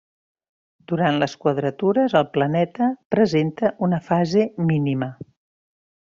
Durant les quadratures el planeta presenta una fase mínima.